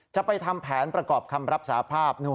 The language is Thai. จะไปทำแผนประกอบคำรับสาภาพ